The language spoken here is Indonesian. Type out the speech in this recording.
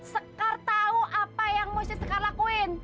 sekar tahu apa yang mesti sekar lakuin